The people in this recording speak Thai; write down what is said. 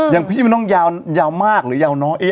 อย่างพี่มันต้องยาวมากหรือยาวน้อย